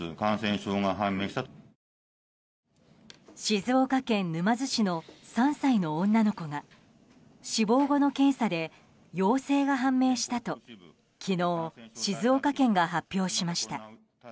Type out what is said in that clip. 静岡県沼津市の３歳の女の子が死亡後の検査で陽性が判明したと昨日、静岡県が発表しました。